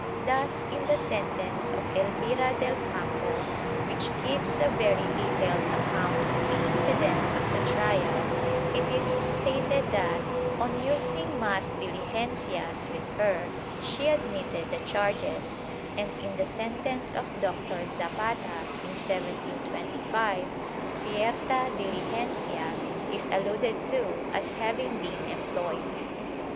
Thus in the sentence of Elvira del Campo (see p. 24), which gives a very detailed account of the incidents of the trial, it is stated that, on using "mas diUgencias," with her she admitted the charges, and in the sentence of Doctor Zapata, in 1725, "cierta diligencia" is alluded to as having been employed.